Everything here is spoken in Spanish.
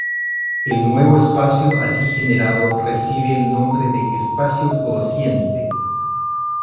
El nuevo espacio así generado recibe el nombre de espacio cociente.